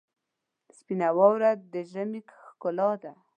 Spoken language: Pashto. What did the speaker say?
سپینه واوره د ژمي ښکلا ده.